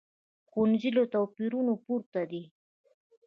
ښوونځی له توپیرونو پورته دی